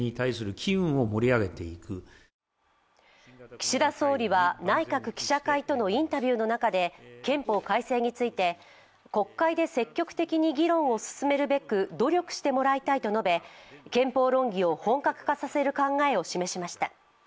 岸田総理は、内閣記者会とのインタビューの中で憲法改正について国会で積極的に議論を進めるべく努力してもらいたいと述べ、憲法論議を本格化させる考えを示しました。